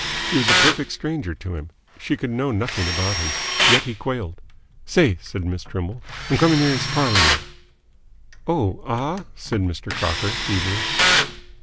She was a perfect stranger to him. She could know nothing about him. Yet he quailed. "Say," said Miss Trimble. "I'm c'ming here 's parlour maid." "Oh, ah?" said Mr. Crocker, feebly.